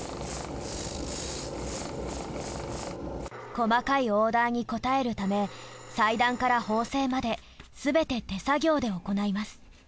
細かいオーダーに応えるため裁断から縫製まですべて手作業で行います。